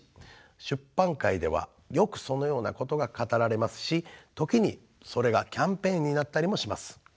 出版界ではよくそのようなことが語られますし時にそれがキャンペーンになったりもします。